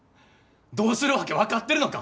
どうするわけ分かってるのか！